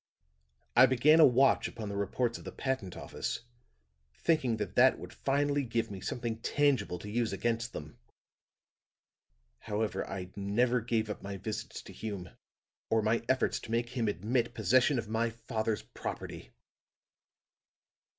I began a watch upon the reports of the Patent Office, thinking that that would finally give me something tangible to use against them. However, I never gave up my visits to Hume, or my efforts to make him admit possession of my father's property.